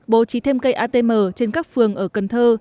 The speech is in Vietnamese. bố trí thêm cây atm trên các phường ở cần thơ